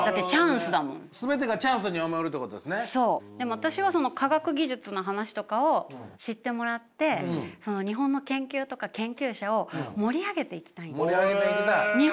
私はその科学技術の話とかを知ってもらって日本の研究とか研究者を盛り上げていきたいんです。